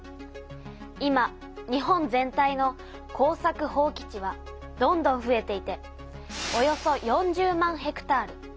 今日本全体の耕作放棄地はどんどんふえていておよそ４０万ｈａ。